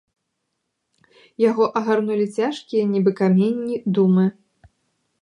Яго агарнулі цяжкія, нібы каменні, думы.